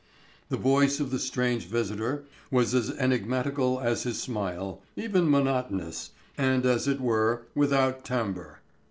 The voice of the strange visitant was as enigmatical as his smile, even monotonous, and as it were without _timbre.